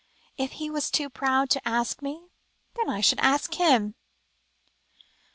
If he was too proud to ask me, then I should ask him!"